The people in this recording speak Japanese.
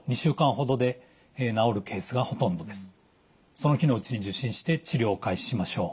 その日のうちに受診して治療を開始しましょう。